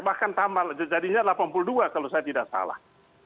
bahkan tambah jadinya delapan puluh dua kalau saya tidak salah